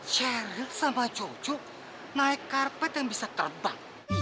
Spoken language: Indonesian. cheryl sama gio gio naik karpet yang bisa terbang